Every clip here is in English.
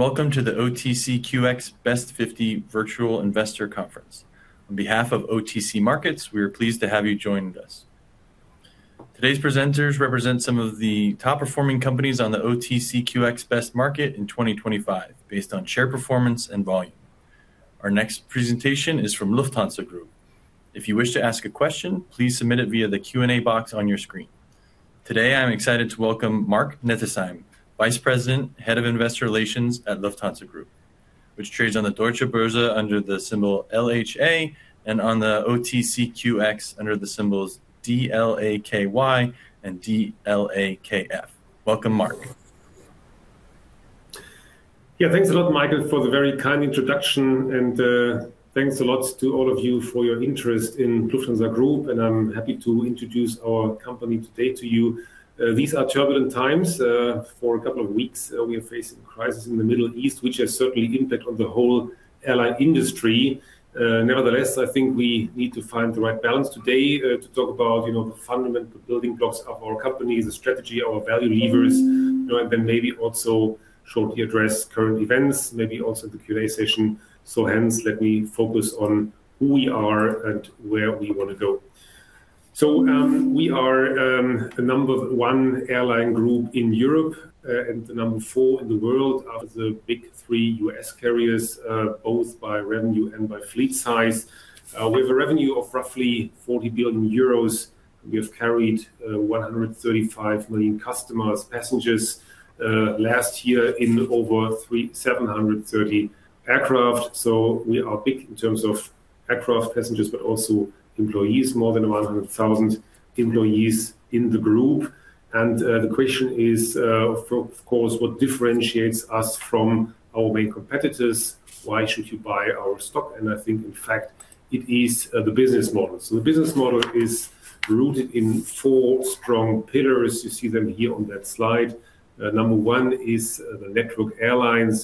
Hello and welcome to the OTCQX Best 50 Virtual Investor Conference. On behalf of OTC Markets, we are pleased to have you joining us. Today's presenters represent some of the top performing companies on the OTCQX Best Market in 2025 based on share performance and volume. Our next presentation is from Lufthansa Group. If you wish to ask a question, please submit it via the Q&A box on your screen. Today I'm excited to welcome Marc Nettesheim, Vice President, Head of Investor Relations at Lufthansa Group, which trades on the Deutsche Börse under the symbol LHA and on the OTCQX under the symbols DLAKY and DLAKF. Welcome, Marc. Yeah, thanks a lot, Michael, for the very kind introduction, and thanks a lot to all of you for your interest in Lufthansa Group, and I'm happy to introduce our company today to you. These are turbulent times. For a couple of weeks, we are facing a crisis in the Middle East, which has certainly impacted the whole airline industry. Nevertheless, I think we need to find the right balance today to talk about the fundamental building blocks of our company, the strategy, our value levers, and then maybe also shortly address current events, maybe also in the Q&A session. Hence, let me focus on who we are and where we want to go. We are the number one airline group in Europe and the number four in the world. The big three U.S. carriers, both by revenue and by fleet size. We have a revenue of roughly 40 billion euros. We have carried 135 million customers, passengers, last year in over 730 aircraft. We are big in terms of aircraft, passengers, but also employees, more than 100,000 employees in the group. The question is, of course, what differentiates us from our main competitors? Why should you buy our stock? I think, in fact, it is the business model. The business model is rooted in four strong pillars. You see them here on that slide. Number one is the network airlines.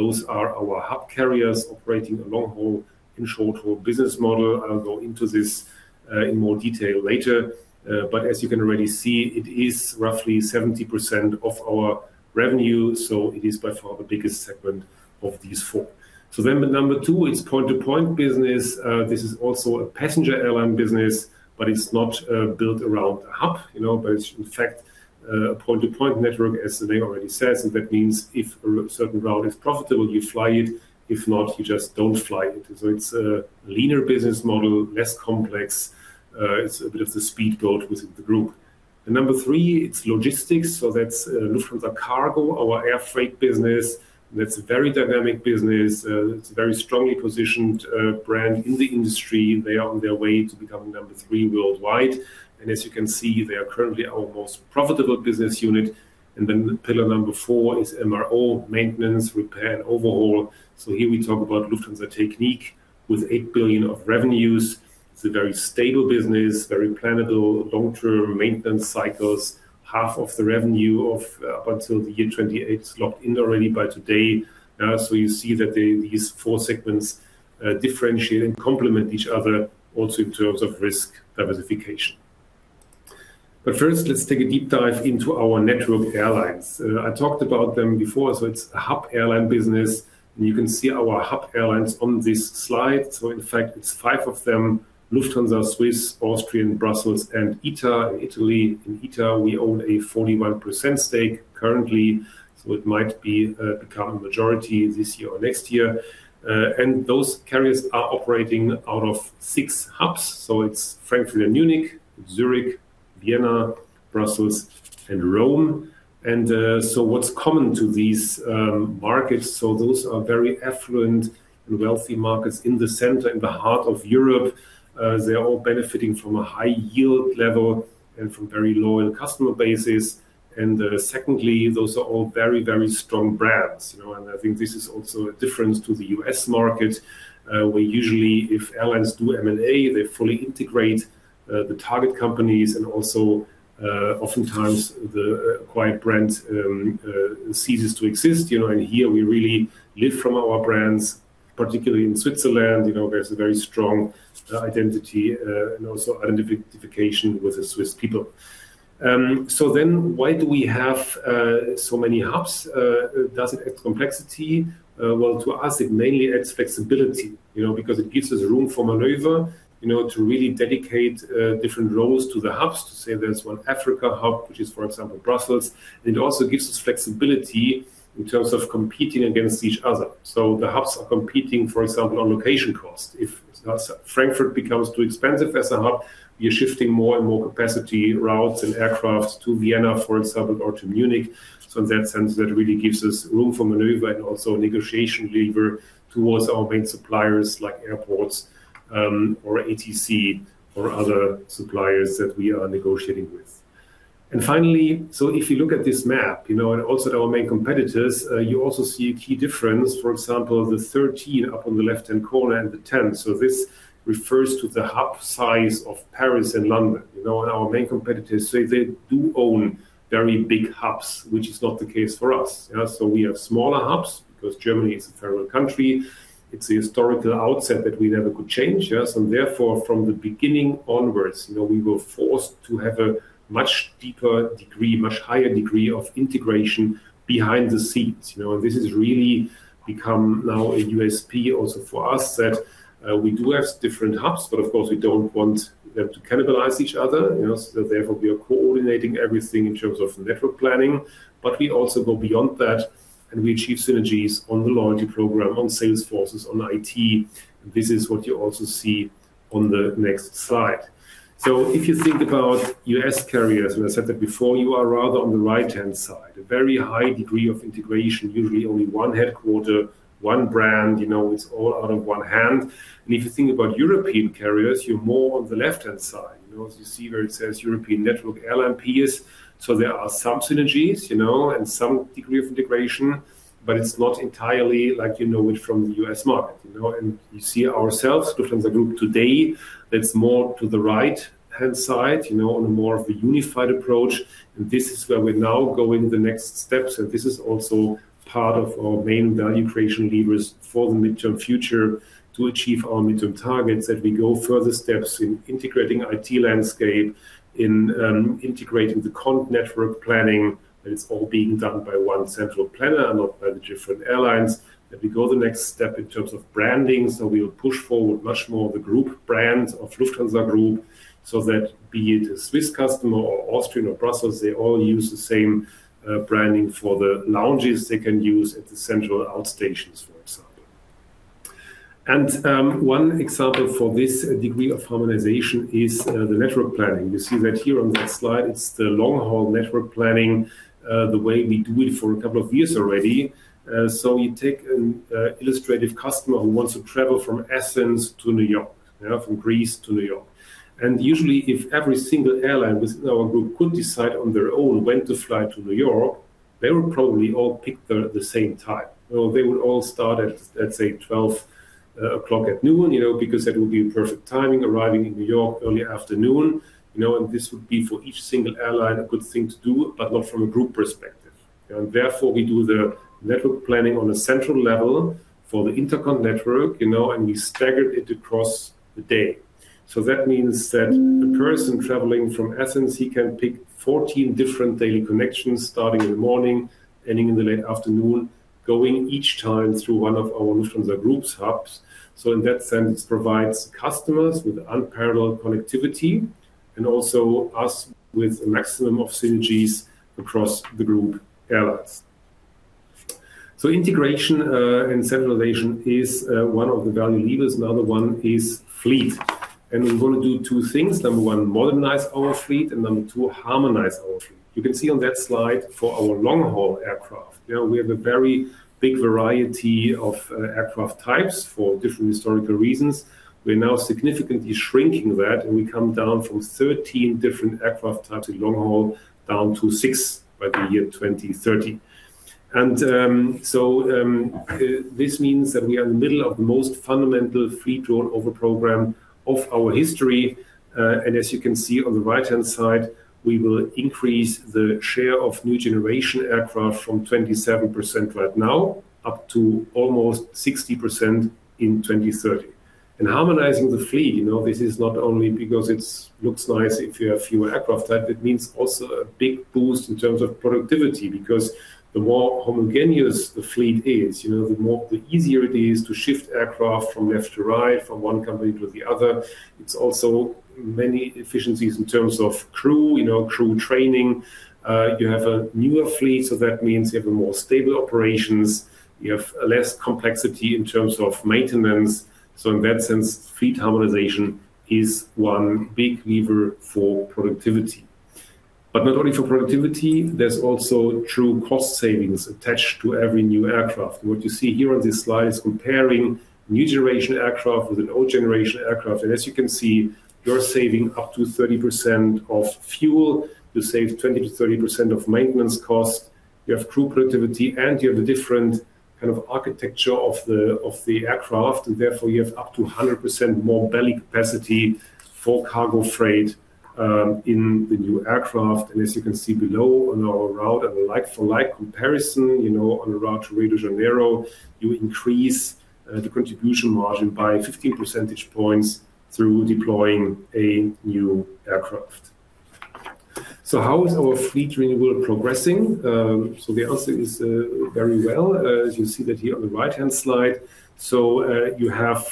Those are our hub carriers operating a long-haul and short-haul business model. I'll go into this in more detail later. As you can already see, it is roughly 70% of our revenue, so it is by far the biggest segment of these four. Number two, it's point-to-point business. This is also a passenger airline business, but it's not built around a hub, but it's in fact a point-to-point network, as the name already says. That means if a certain route is profitable, you fly it. If not, you just don't fly it. It's a leaner business model, less complex. It's a bit of the speedboat within the group. Number three, it's logistics. That's Lufthansa Cargo, our air freight business. That's a very dynamic business. It's a very strongly positioned brand in the industry. They are on their way to becoming number three worldwide. As you can see, they are currently our most profitable business unit. Pillar number four is MRO, maintenance, repair, and overhaul. Here we talk about Lufthansa Technik with 8 billion of revenues. It's a very stable business, very plannable, long-term maintenance cycles. Half of the revenue up until the year 2028 is locked in already by today. You see that these four segments differentiate and complement each other also in terms of risk diversification. First, let's take a deep dive into our network airlines. I talked about them before, so it's a hub airline business, and you can see our hub airlines on this slide. In fact, it's five of them, Lufthansa, Swiss, Austrian, Brussels, and ITA Airways. In ITA Airways, we own a 41% stake currently, so it might become a majority this year or next year. Those carriers are operating out of six hubs. It's Frankfurt and Munich, Zurich, Vienna, Brussels, and Rome. What's common to these markets? Those are very affluent and wealthy markets in the center, in the heart of Europe. They're all benefiting from a high yield level and from very loyal customer bases. Secondly, those are all very, very strong brands. I think this is also a difference to the U.S. market, where usually if airlines do M&A, they fully integrate the target companies, and also oftentimes the acquired brand ceases to exist. Here we really live from our brands, particularly in Switzerland. There's a very strong identity and also identification with the Swiss people. Why do we have so many hubs? Does it add complexity? Well, to us, it mainly adds flexibility because it gives us room for maneuver to really dedicate different roles to the hubs. To say, there's one Africa hub, which is, for example, Brussels. It also gives us flexibility in terms of competing against each other. The hubs are competing, for example, on location cost. If Frankfurt becomes too expensive as a hub, we are shifting more and more capacity, routes, and aircraft to Vienna, for example, or to Munich. In that sense, that really gives us room for maneuver and also negotiation lever towards our main suppliers like airports or ATC or other suppliers that we are negotiating with. Finally, if you look at this map and also at our main competitors, you also see a key difference. For example, the 13 up on the left-hand corner and the 10. This refers to the hub size of Paris and London. Our main competitors, they do own very big hubs, which is not the case for us. We have smaller hubs because Germany is a federal country. It's a historical outset that we never could change. Therefore, from the beginning onwards, we were forced to have a much deeper degree, much higher degree of integration behind the scenes. This has really become now a USP also for us that we do have different hubs, but of course, we don't want them to cannibalize each other. Therefore, we are coordinating everything in terms of network planning. We also go beyond that, and we achieve synergies on the loyalty program, on sales forces, on IT. This is what you also see on the next slide. If you think about U.S. carriers, and I said that before, you are rather on the right-hand side, a very high degree of integration, usually only one headquarters, one brand. It's all out of one hand. If you think about European carriers, you're more on the left-hand side. As you see where it says European network airline peers. There are some synergies and some degree of integration, but it's not entirely like you know it from the U.S. market. You see ourselves, Lufthansa Group today, that's more to the right-hand side on a more of a unified approach. This is where we're now going the next steps. This is also part of our main value creation levers for the midterm future to achieve our midterm targets that we go further steps in integrating IT landscape, in integrating the content network planning, and it's all being done by one central planner and not by the different airlines. That we go the next step in terms of branding. We will push forward much more the group brand of Lufthansa Group so that be it a Swiss customer or Austrian or Brussels, they all use the same branding for the lounges they can use at the central outstations, for example. One example for this degree of harmonization is the network planning. You see that here on that slide, it's the long-haul network planning, the way we do it for a couple of years already. You take an illustrative customer who wants to travel from Athens to New York, from Greece to New York. Usually, if every single airline within our group could decide on their own when to fly to New York, they would probably all pick the same time. They would all start at, let's say, 12:00 P.M. because that would be perfect timing, arriving in New York early afternoon. This would be for each single airline a good thing to do, but not from a group perspective. Therefore, we do the network planning on a central level for the intercontinental network, and we staggered it across the day. That means that a person traveling from Athens, he can pick 14 different daily connections starting in the morning, ending in the late afternoon, going each time through one of our Lufthansa Group hubs. In that sense, it provides customers with unparalleled connectivity and also us with a maximum of synergies across the group airlines. Integration and centralization is one of the value levers. Another one is fleet. We want to do two things. Number one, modernize our fleet, and number two, harmonize our fleet. You can see on that slide for our long-haul aircraft, we have a very big variety of aircraft types for different historical reasons. We are now significantly shrinking that, and we come down from 13 different aircraft types in long-haul down to six by the year 2030. This means that we are in the middle of the most fundamental fleet rollover program of our history. As you can see on the right-hand side, we will increase the share of new generation aircraft from 27% right now up to almost 60% in 2030. Harmonizing the fleet, this is not only because it looks nice if you have fewer aircraft types. It means also a big boost in terms of productivity because the more homogeneous the fleet is, the easier it is to shift aircraft from left to right, from one company to the other. It's also many efficiencies in terms of crew training. You have a newer fleet, so that means you have more stable operations. You have less complexity in terms of maintenance. In that sense, fleet harmonization is one big lever for productivity. Not only for productivity, there's also true cost savings attached to every new aircraft. What you see here on this slide is comparing new generation aircraft with an old generation aircraft. As you can see, you're saving up to 30% of fuel. You save 20%-30% of maintenance cost. You have crew productivity, and you have a different kind of architecture of the aircraft. Therefore, you have up to 100% more belly capacity for cargo freight in the new aircraft. As you can see below on our route, for like comparison, on a route to Rio de Janeiro, you increase the contribution margin by 15 percentage points through deploying a new aircraft. How is our fleet renewal progressing? The answer is very well. As you see that here on the right-hand slide, so you have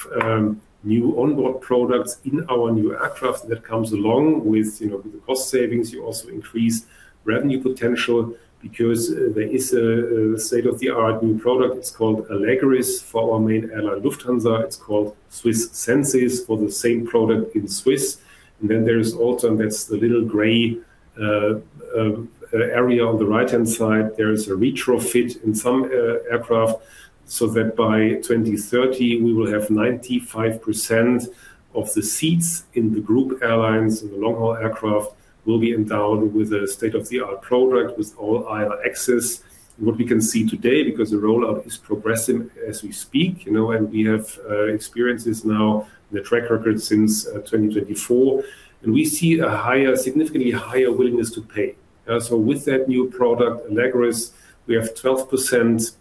new onboard products in our new aircraft that comes along with the cost savings. You also increase revenue potential because there is a state-of-the-art new product. It's called Allegris for our main airline, Lufthansa. It's called SWISS Senses for the same product in Swiss. Then there is also, and that's the little gray area on the right-hand side, there is a retrofit in some aircraft so that by 2030, we will have 95% of the seats in the group airlines, in the long-haul aircraft, will be endowed with a state-of-the-art product with all aisle access. What we can see today, because the rollout is progressing as we speak, and we have experiences now in the track record since 2024, and we see a significantly higher willingness to pay. With that new product, Allegris, we have 12%+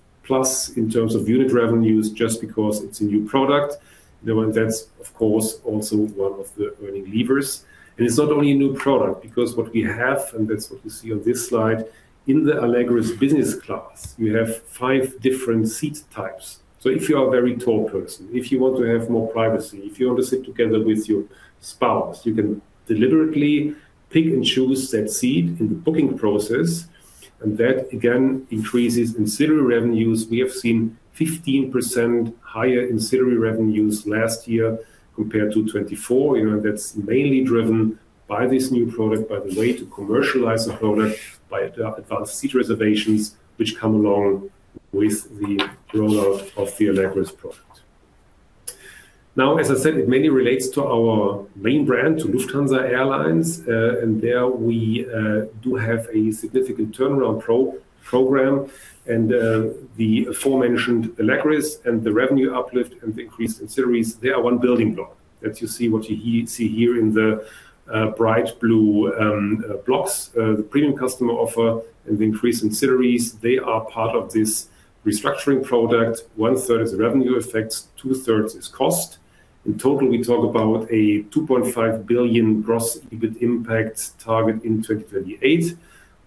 in terms of unit revenues just because it's a new product. That's, of course, also one of the earning levers. It's not only a new product because what we have, and that's what you see on this slide, in the Allegris business class, you have five different seat types. If you are a very tall person, if you want to have more privacy, if you want to sit together with your spouse, you can deliberately pick and choose that seat in the booking process. That, again, increases ancillary revenues. We have seen 15% higher ancillary revenues last year compared to 2024. That's mainly driven by this new product, by the way to commercialize the product, by the advanced seat reservations, which come along with the rollout of the Allegris product. Now, as I said, it mainly relates to our main brand, to Lufthansa Airlines. The aforementioned Allegris and the revenue uplift and the increased ancillaries, they are one building block. That you see what you see here in the bright blue blocks, the premium customer offer and the increased ancillaries, they are part of this restructuring product. 1/3 is revenue effects, 2/3 is cost. In total, we talk about a 2.5 billion gross EBIT impact target in 2028,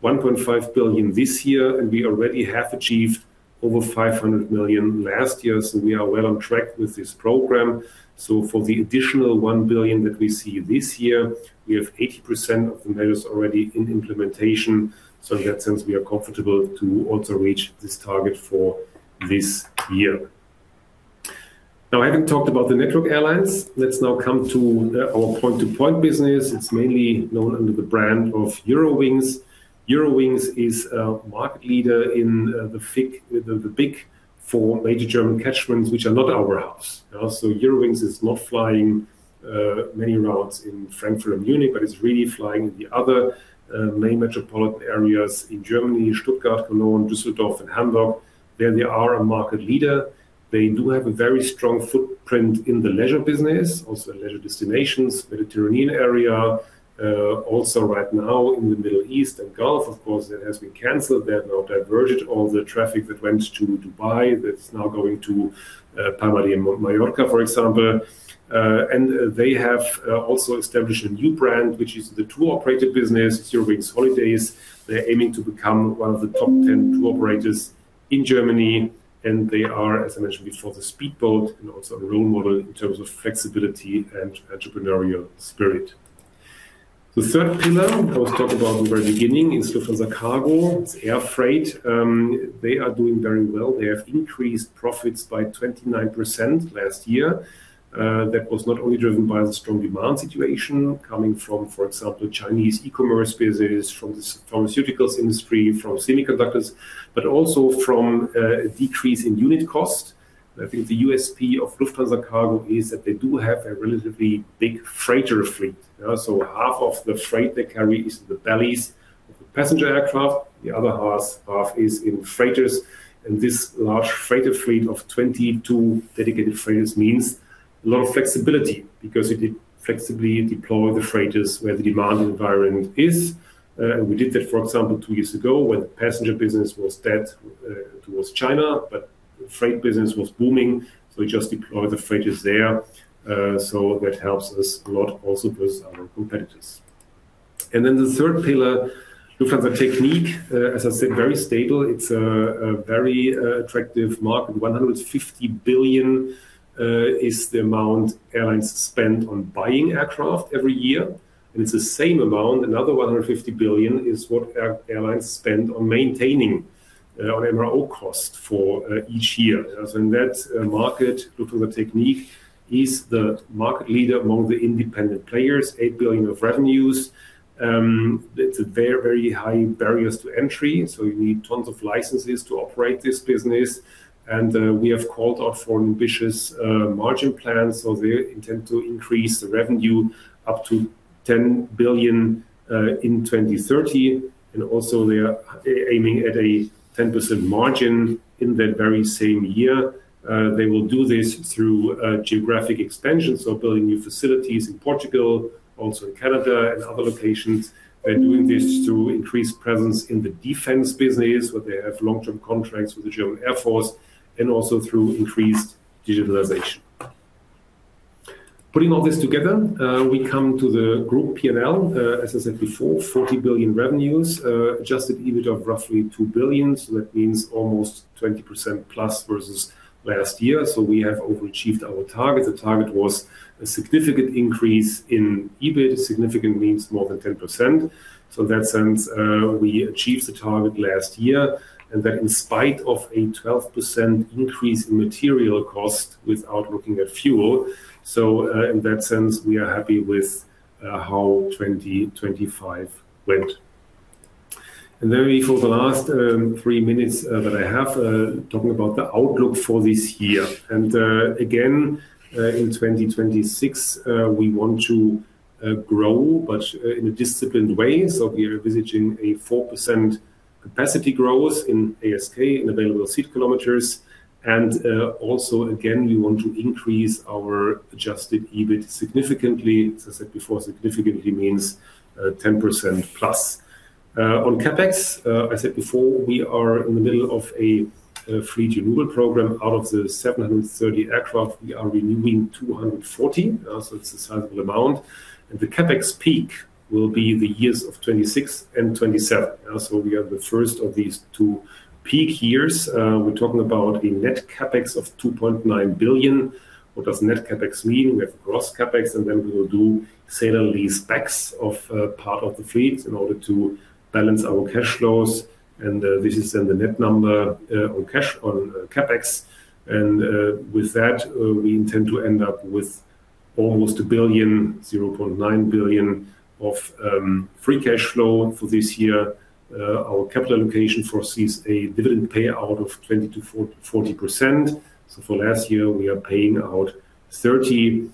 1.5 billion this year. We already have achieved over 500 million last year. We are well on track with this program. For the additional 1 billion that we see this year, we have 80% of the measures already in implementation. In that sense, we are comfortable to also reach this target for this year. Now, having talked about the network airlines, let's now come to our point-to-point business. It's mainly known under the brand of Eurowings. Eurowings is a market leader in the big four major German catchments, which are not our hubs. Eurowings is not flying many routes in Frankfurt and Munich, but it's really flying in the other main metropolitan areas in Germany, Stuttgart, Cologne, Düsseldorf, and Hamburg. There they are a market leader. They do have a very strong footprint in the leisure business, also leisure destinations, Mediterranean area, also right now in the Middle East and Gulf, of course. It has been canceled. They have now diverted all the traffic that went to Dubai. That's now going to Palma de Mallorca, for example. They have also established a new brand, which is the tour operator business, Eurowings Holidays. They're aiming to become one of the top 10 tour operators in Germany. They are, as I mentioned before, the speedboat and also a role model in terms of flexibility and entrepreneurial spirit. The third pillar I was talking about in the very beginning is Lufthansa Cargo, air freight. They are doing very well. They have increased profits by 29% last year. That was not only driven by the strong demand situation coming from, for example, Chinese e-commerce business, from the pharmaceuticals industry, from semiconductors, but also from a decrease in unit cost. I think the USP of Lufthansa Cargo is that they do have a relatively big freighter fleet. Half of the freight they carry is in the bellies of the passenger aircraft. The other half is in freighters. This large freighter fleet of 22 dedicated freighters means a lot of flexibility because you did flexibly deploy the freighters where the demand environment is. We did that, for example, two years ago when the passenger business was dead towards China, but the freight business was booming. We just deployed the freighters there. That helps us a lot also versus our competitors. Then the third pillar, Lufthansa Technik, as I said, very stable. It's a very attractive market. 150 billion is the amount airlines spend on buying aircraft every year. It's the same amount. Another 150 billion is what airlines spend on maintaining, on MRO costs for each year. In that market, Lufthansa Technik is the market leader among the independent players, 8 billion of revenues. It's very, very high barriers to entry. You need tons of licenses to operate this business. We have called out for an ambitious margin plan. They intend to increase the revenue up to 10 billion in 2030. Also they are aiming at a 10% margin in that very same year. They will do this through geographic expansion, so building new facilities in Portugal, also in Canada and other locations. They're doing this to increase presence in the defense business where they have long-term contracts with the German Air Force and also through increased digitalization. Putting all this together, we come to the group P&L. As I said before, 40 billion revenues, adjusted EBIT of roughly 2 billion. That means almost 20%+ versus last year. We have overachieved our target. The target was a significant increase in EBIT. Significant means more than 10%. In that sense, we achieved the target last year. That in spite of a 12% increase in material cost without looking at fuel. In that sense, we are happy with how 2025 went. For the last 3 minutes that I have, talking about the outlook for this year. Again, in 2026, we want to grow, but in a disciplined way. We are envisaging a 4% capacity growth in ASK, in available seat kilometers. Also again, we want to increase our adjusted EBIT significantly. As I said before, significantly means 10%+. On CapEx, I said before, we are in the middle of a fleet renewal program. Out of the 730 aircraft, we are renewing 240 aircrafts. It's a sizable amount. The CapEx peak will be the years of 2026 and 2027. We have the first of these two peak years. We're talking about a net CapEx of 2.9 billion. What does net CapEx mean? We have gross CapEx, and then we will do sale-leasebacks of part of the fleets in order to balance our cash flows. This is then the net number on CapEx. With that, we intend to end up with almost 1 billion, 0.9 billion of free cash flow for this year. Our capital allocation foresees a dividend payout of 20%-40%. For last year, we are paying out 30%.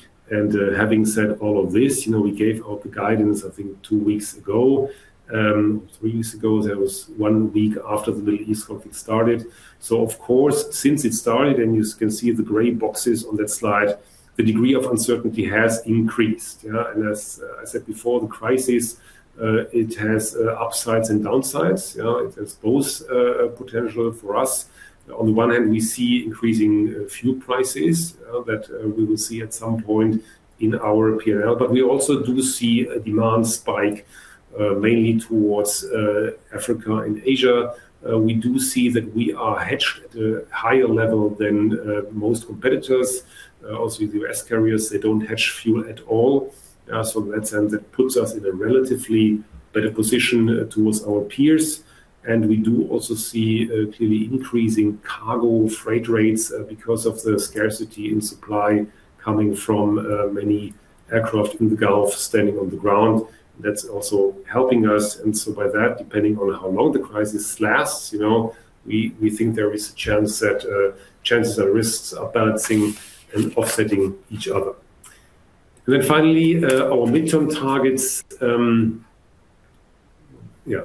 Having said all of this, we gave out the guidance, I think, two weeks ago. Three weeks ago, that was one week after the Middle East conflict started. Of course, since it started, and you can see the gray boxes on that slide, the degree of uncertainty has increased. As I said before, the crisis, it has upsides and downsides. It has both potential for us. On the one hand, we see increasing fuel prices that we will see at some point in our P&L. But we also do see a demand spike mainly towards Africa and Asia. We do see that we are hedged at a higher level than most competitors. Also with the U.S. carriers, they don't hedge fuel at all. In that sense, it puts us in a relatively better position towards our peers. We do also see clearly increasing cargo freight rates because of the scarcity in supply coming from many aircraft in the Gulf standing on the ground. That's also helping us. By that, depending on how long the crisis lasts, we think there is a chance that chances and risks are balancing and offsetting each other. Finally, our midterm targets, yeah,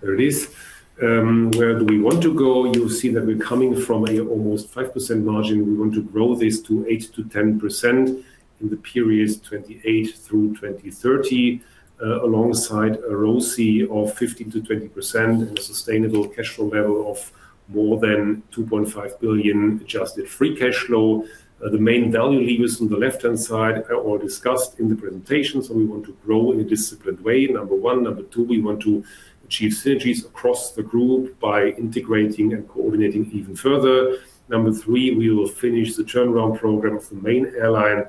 there it is. Where do we want to go? You see that we're coming from an almost 5% margin. We want to grow this to 8%-10% in the periods 2028 through 2030 alongside a ROCE of 15%-20% and a sustainable cash flow level of more than 2.5 billion adjusted free cash flow. The main value levers on the left-hand side are all discussed in the presentation. We want to grow in a disciplined way, number one. Number two, we want to achieve synergies across the group by integrating and coordinating even further. Number three, we will finish the turnaround program of the main airline.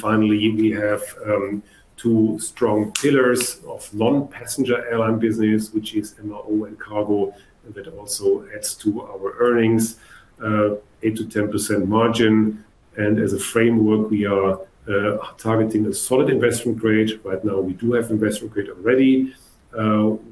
Finally, we have two strong pillars of non-passenger airline business, which is MRO and cargo, and that also adds to our earnings, 8%-10% margin. As a framework, we are targeting a solid investment grade. Right now, we do have investment grade already.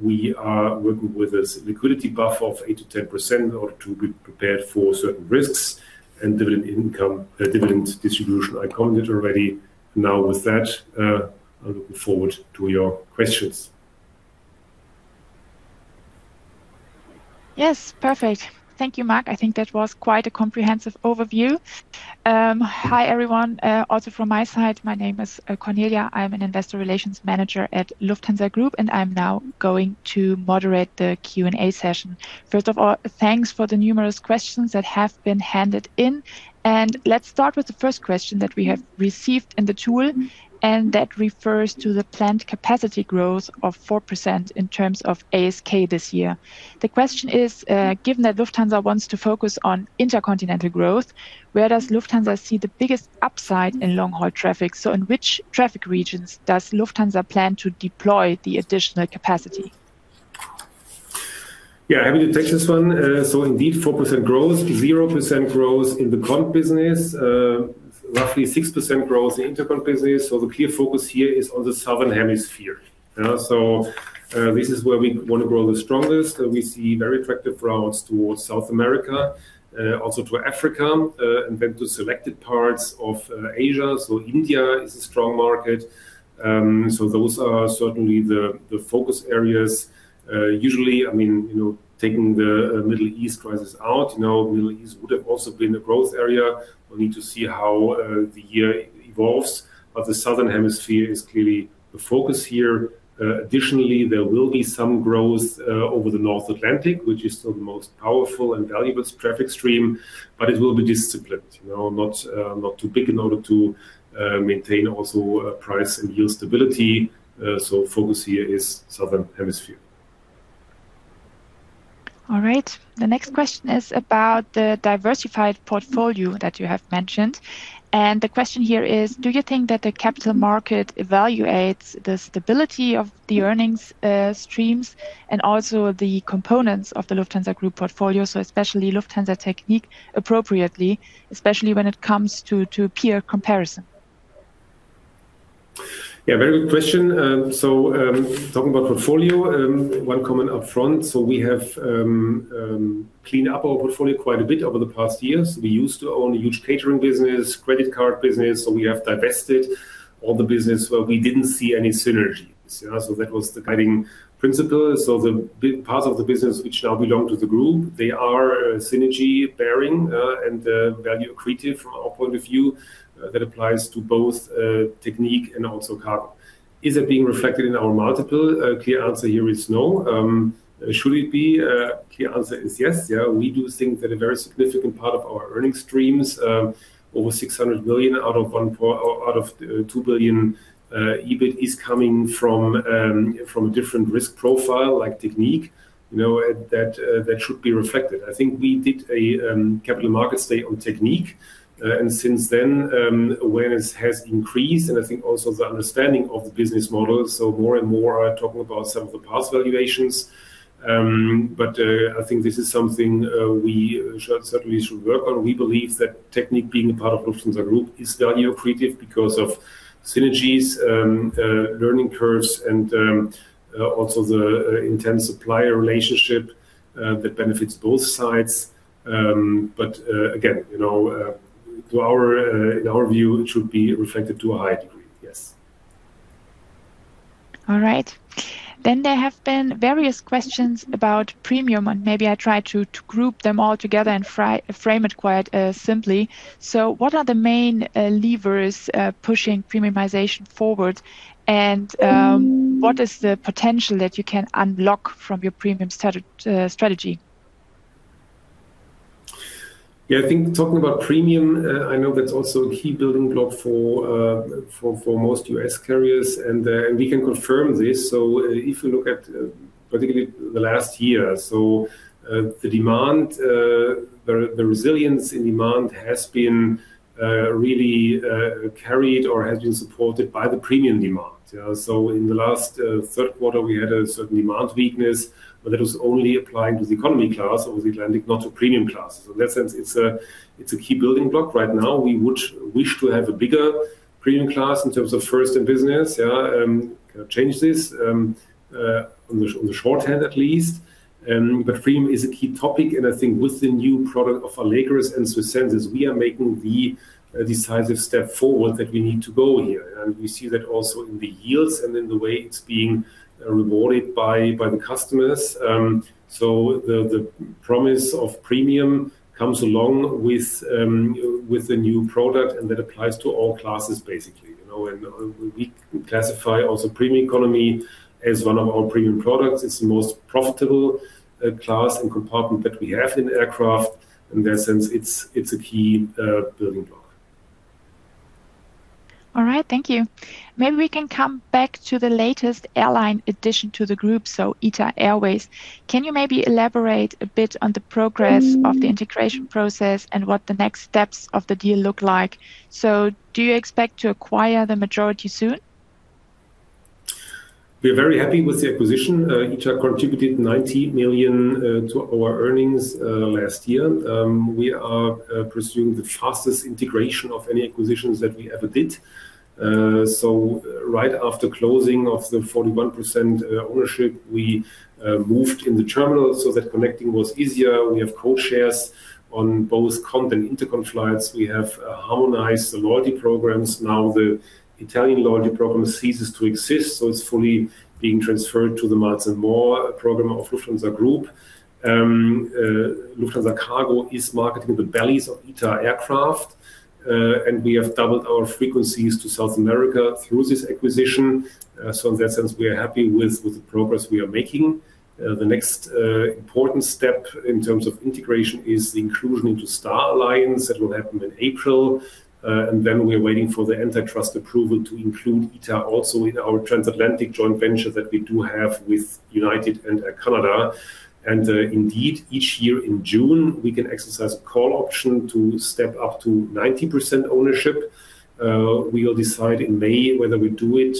We are working with a liquidity buffer of 8%-10% in order to be prepared for certain risks and dividend income, dividend distribution. I commented already. Now with that, I'm looking forward to your questions. Yes, perfect. Thank you, Marc. I think that was quite a comprehensive overview. Hi everyone. Also from my side, my name is Cornelia. I'm an Investor Relations Manager at Lufthansa Group, and I'm now going to moderate the Q&A session. First of all, thanks for the numerous questions that have been handed in. Let's start with the first question that we have received in the tool, and that refers to the planned capacity growth of 4% in terms of ASK this year. The question is, given that Lufthansa wants to focus on intercontinental growth, where does Lufthansa see the biggest upside in long-haul traffic? In which traffic regions does Lufthansa plan to deploy the additional capacity? Yeah, happy to take this one. Indeed, 4% growth, 0% growth in the continental business, roughly 6% growth in the intercontinental business. The clear focus here is on the Southern Hemisphere. This is where we want to grow the strongest. We see very attractive routes towards South America, also to Africa, and then to selected parts of Asia. India is a strong market. Those are certainly the focus areas. Usually, I mean, taking the Middle East crisis out, Middle East would have also been a growth area. We'll need to see how the year evolves. The Southern Hemisphere is clearly the focus here. Additionally, there will be some growth over the North Atlantic, which is still the most powerful and valuable traffic stream. It will be disciplined, not too big in order to maintain also price and yield stability. Focus here is southern hemisphere. All right. The next question is about the diversified portfolio that you have mentioned. The question here is, do you think that the capital market evaluates the stability of the earnings streams and also the components of the Lufthansa Group portfolio, so especially Lufthansa Technik, appropriately, especially when it comes to peer comparison? Yeah, very good question. Talking about portfolio, one comment upfront. We have cleaned up our portfolio quite a bit over the past year. We used to own a huge catering business, credit card business. We have divested all the business where we didn't see any synergy. That was the guiding principle. The parts of the business which now belong to the group, they are synergy bearing and value accretive from our point of view that applies to both Lufthansa Technik and also Lufthansa Cargo. Is it being reflected in our multiple? Clear answer here is no. Should it be? Clear answer is yes. Yeah, we do think that a very significant part of our earnings streams, over 600 million out of 2 billion EBIT, is coming from a different risk profile like Lufthansa Technik. That should be reflected. I think we did a capital markets day on Lufthansa Technik. Since then, awareness has increased. I think also the understanding of the business model. More and more are talking about some of the past valuations. I think this is something we certainly should work on. We believe that Lufthansa Technik being a part of Lufthansa Group is value accretive because of synergies, learning curves, and also the intense supplier relationship that benefits both sides. Again, in our view, it should be reflected to a higher degree. Yes. All right. There have been various questions about premium. Maybe I try to group them all together and frame it quite simply. What are the main levers pushing premiumization forward? What is the potential that you can unlock from your premium strategy? Yeah, I think talking about premium, I know that's also a key building block for most U.S. carriers. We can confirm this. If you look at particularly the last year, so the demand, the resilience in demand has been really carried or has been supported by the premium demand. In the last third quarter, we had a certain demand weakness, but that was only applying to the economy class over the Atlantic, not to premium classes. In that sense, it's a key building block right now. We would wish to have a bigger premium class in terms of First and Business, change this on the short haul at least. Premium is a key topic. I think with the new product of Allegris and SWISS Senses, we are making the decisive step forward that we need to go here. We see that also in the yields and in the way it's being rewarded by the customers. The promise of premium comes along with the new product, and that applies to all classes, basically. We classify also premium economy as one of our premium products. It's the most profitable class and compartment that we have in aircraft. In that sense, it's a key building block. All right. Thank you. Maybe we can come back to the latest airline addition to the group, ITA Airways. Can you maybe elaborate a bit on the progress of the integration process and what the next steps of the deal look like? Do you expect to acquire the majority soon? We are very happy with the acquisition. ITA Airways contributed 90 million to our earnings last year. We are pursuing the fastest integration of any acquisitions that we ever did. Right after closing of the 41% ownership, we moved in the terminal so that connecting was easier. We have codeshares on both continental and intercontinental flights. We have harmonized the loyalty programs. Now the Italian loyalty program ceases to exist. It's fully being transferred to the Miles & More program of Lufthansa Group. Lufthansa Cargo is marketing the bellies of ITA Airways aircraft. We have doubled our frequencies to South America through this acquisition. In that sense, we are happy with the progress we are making. The next important step in terms of integration is the inclusion into Star Alliance that will happen in April. We are waiting for the antitrust approval to include ITA Airways also in our transatlantic joint venture that we do have with United and Air Canada. Indeed, each year in June, we can exercise a call option to step up to 90% ownership. We will decide in May whether we do it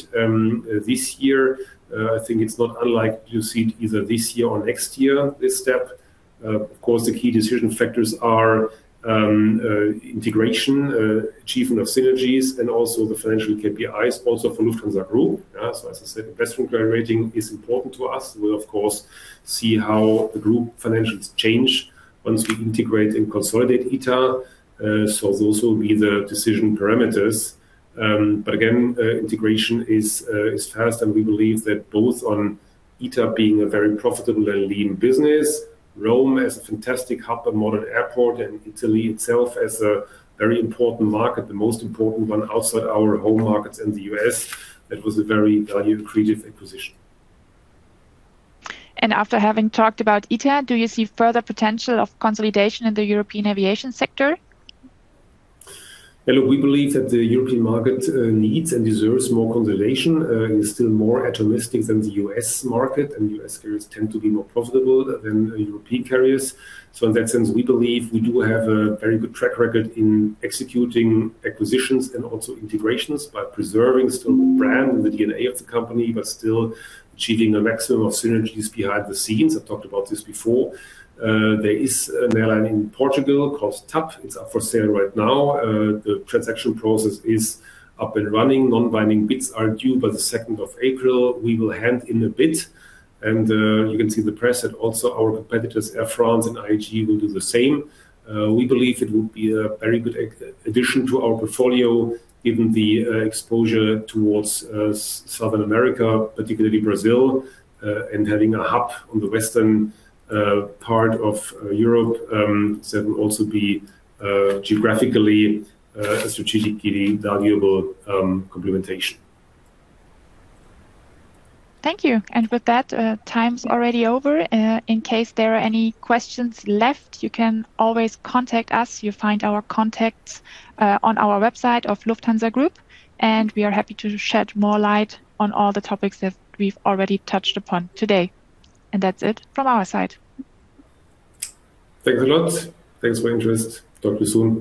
this year. I think it's not unlike you see it either this year or next year, this step. Of course, the key decision factors are integration, achievement of synergies, and also the financial KPIs also for Lufthansa Group. As I said, investment grade rating is important to us. We'll, of course, see how the group financials change once we integrate and consolidate ITA Airways. Those will be the decision parameters. Again, integration is fast. We believe that both on ITA Airways being a very profitable and lean business, Rome as a fantastic hub and modern airport, and Italy itself as a very important market, the most important one outside our home markets in the U.S., that was a very value accretive acquisition. After having talked about ITA Airways, do you see further potential of consolidation in the European aviation sector? Yeah, look, we believe that the European market needs and deserves more consolidation. It is still more atomistic than the U.S. market. U.S. carriers tend to be more profitable than European carriers. In that sense, we believe we do have a very good track record in executing acquisitions and also integrations by preserving still the brand and the DNA of the company, but still achieving a maximum of synergies behind the scenes. I've talked about this before. There is an airline in Portugal called TAP Air Portugal. It's up for sale right now. The transaction process is up and running. Non-binding bids are due by the 2nd of April. We will hand in a bid. You can see the press that also our competitors, Air France and IAG, will do the same. We believe it would be a very good addition to our portfolio given the exposure towards South America, particularly Brazil, and having a hub on the western part of Europe that will also be geographically and strategically valuable complement. Thank you. With that, time's already over. In case there are any questions left, you can always contact us. You find our contacts on our website of Lufthansa Group. We are happy to shed more light on all the topics that we've already touched upon today. That's it from our side. Thanks a lot. Thanks for your interest. Talk to you soon.